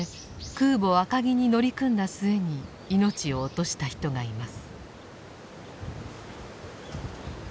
空母赤城に乗り組んだ末に命を落とした人がいます。